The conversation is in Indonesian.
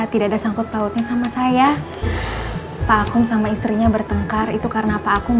tidak ada sangkut pautnya sama saya pak aku sama istrinya bertengkar itu karena apa aku